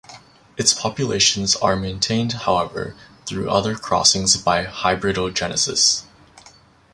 Its populations are maintained however through other crossings by hybridogenesis.